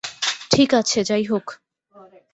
ঠিক আছে, যাইহোক।